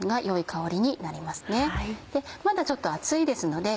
よい香りになりますね。